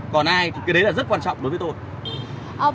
còn ai thì cái đấy là rất quan trọng đối với tôi